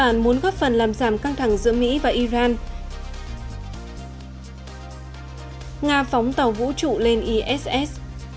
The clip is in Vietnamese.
nga phóng tàu vũ trụ lên iss